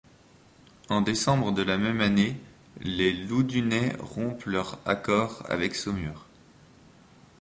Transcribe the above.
En décembre de la même année, les Loudunais rompent leur accord avec Saumur.